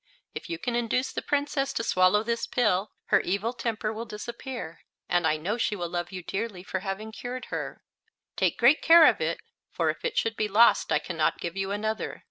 "If you can induce the Princess to swallow this pill her evil temper will disappear, and I know she will love you dearly for having cured her. Take great care of it, for if it should be lost I can not give you another.